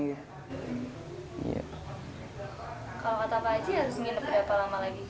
kalau kata pak haji harus menginap berapa lama lagi